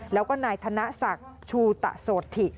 แล้วก็นายธนศักดิ์ชูตะโสธิ